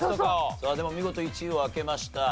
さあでも見事１位を開けました。